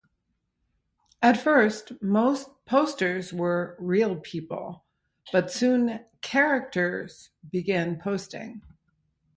At first, most posters were "real people", but soon "characters" began posting.